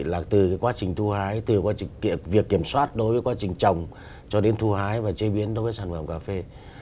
là từ cái quá trình thu hái từ việc kiểm soát đối với quá trình trồng cho đến thu hái và chế biến đối với sản phẩm cà phê